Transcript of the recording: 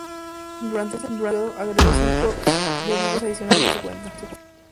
Durante ese periodo, agregó cinco derribos adicionales a su cuenta.